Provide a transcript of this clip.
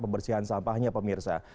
pembersihan sampahnya pemirsa